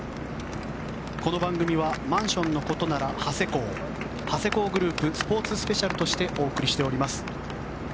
この番組はマンションのことなら、長谷工長谷工グループスポーツスペシャルとしてお送りしております。